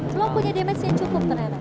belum punya damage nya cukup ternyata